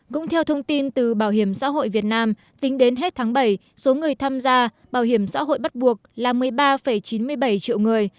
cũng theo thông tin từ bảo hiểm xã hội việt nam tính đến hết tháng bảy số người tham gia bảo hiểm xã hội bắt buộc là một mươi ba chín mươi bảy triệu người